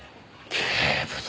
警部殿。